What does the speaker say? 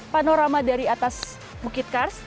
panorama dari atas bukit kars